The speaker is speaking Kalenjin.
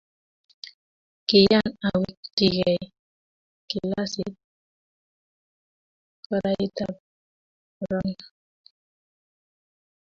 kiyaan awekchigei kilasit koroitab korona